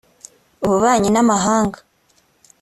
ububanyi n’amahanga